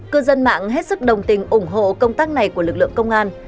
cư dân mạng hết sức đồng tình ủng hộ công tác này của lực lượng công an